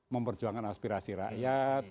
memperjuangkan aspirasi rakyat